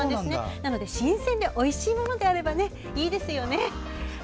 なので、新鮮でおいしいものであればいいですね。